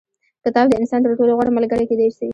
کتاب د انسان تر ټولو غوره ملګری کېدای سي.